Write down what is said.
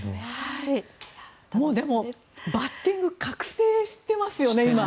もうでもバッティング覚醒していますよね